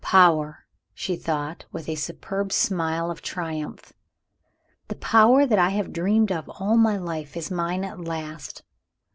"Power!" she thought, with a superb smile of triumph. "The power that I have dreamed of all my life is mine at last!